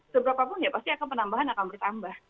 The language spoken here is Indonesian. seberapapun ya pasti akan penambahan akan bertambah